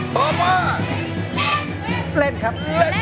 เล่นครับเล่นครับ